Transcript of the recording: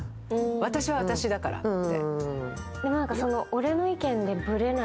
私は私だからって。